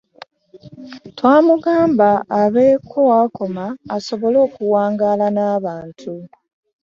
Twamugamba abeeko w'akoma asobole okuwangaala n'abantu.